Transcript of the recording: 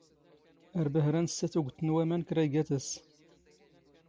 ⴰⵔ ⴱⴰⵀⵔⴰ ⵏⵙⵙⴰ ⵜⵓⴳⵜ ⵏ ⵡⴰⵎⴰⵏ ⴽⵔⴰⵢⴳⴰⵜ ⴰⵙⵙ.